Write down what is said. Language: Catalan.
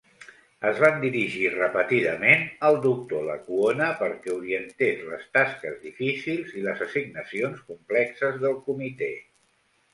Ens van dirigir repetidament al Dr. Lecuona perquè orientés les tasques difícils i les assignacions complexes del comitè.